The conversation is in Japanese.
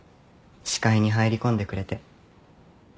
視界に入り込んでくれて。